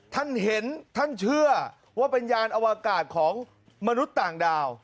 ท่านเห็นท่านเชื่อว่าเป็นยานอวกาศของมนุษย์ต่างดาว